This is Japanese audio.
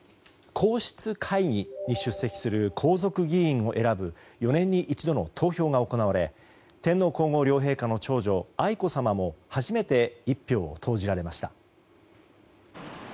皇室会議に出席する皇族議員を選ぶ４年に一度の投票が行われ天皇・皇后両陛下の長女愛子さまも初めて一票を投じられました。